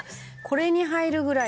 これに入るぐらい。